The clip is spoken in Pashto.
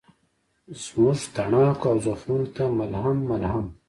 زموږ تڼاکو او زخمونوته ملهم، ملهم